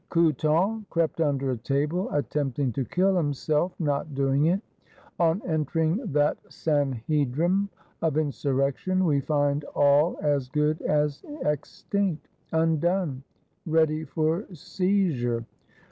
Couthon crept under a table; attempt ing to kill himself; not doing it. — On entering that Sanhedrim of Insurrection, we find all as good as extinct; undone, ready for seizure.